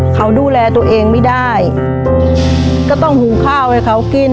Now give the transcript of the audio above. เขาดูแลตัวเองไม่ได้ก็ต้องหุงข้าวให้เขากิน